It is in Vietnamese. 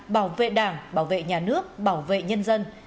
bảo vệ đảng bảo vệ nhà nước bảo vệ nhân dân